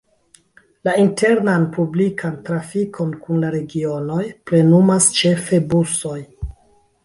La internan publikan trafikon kun la regionoj plenumas ĉefe busoj.